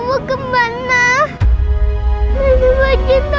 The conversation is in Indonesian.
ada masa naku takut